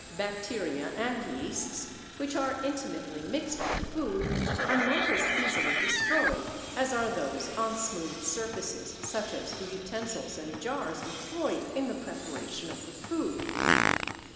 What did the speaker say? Bacteria and yeasts, which are intimately mixed with food, are not as easily destroyed as are those on smooth surfaces, such as the utensils and jars employed in the preparation of the food.